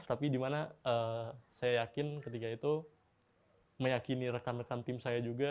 tapi dimana saya yakin ketika itu meyakini rekan rekan tim saya juga